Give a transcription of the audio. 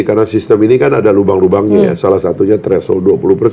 karena sistem ini kan ada lubang lubangnya salah satunya threshold dua puluh